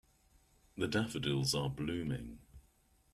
The daffodils are blooming.